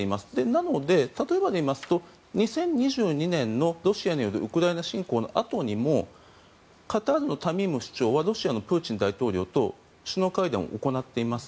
なので、例えばでいいますと２０２２年のロシアによるウクライナ侵攻のあとにもカタールのタミーム首長はロシアのプーチン大統領と首脳会談を行っています。